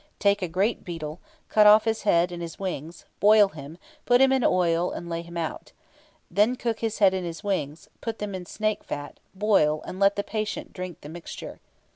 Take a great beetle; cut off his head and his wings, boil him, put him in oil, and lay him out. Then cook his head and his wings; put them in snake fat, boil, and let the patient drink the mixture."